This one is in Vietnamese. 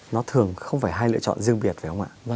nó thường không phải hai lựa chọn riêng biệt phải không ạ